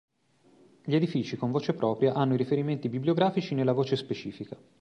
Gli edifici con voce propria hanno i riferimenti bibliografici nella voce specifica.